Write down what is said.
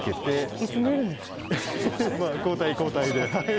まあ交代交代ではい。